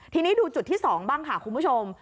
ทีนี้ดูจุดที่๒บ้างค่ะคุณผู้ชม